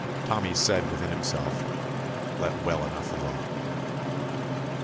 Tommy said within himself: "Let well enough alone."